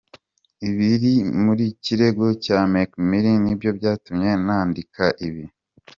Ibiri mu kirego cya Meek Mill nibyo byatumye nandika ibi.